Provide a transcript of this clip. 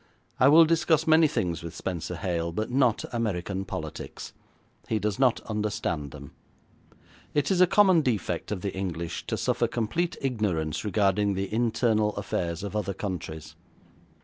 I will discuss many things with Spenser Hale, but not American politics; he does not understand them. It is a common defect of the English to suffer complete ignorance regarding the internal affairs of other countries.